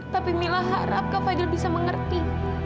tapi mila harap kak fadil bisa mengerti